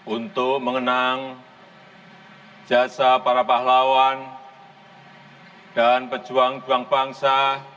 untuk mengenang jasa para pahlawan dan pejuang juang bangsa